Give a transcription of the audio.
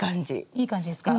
いい感じですか？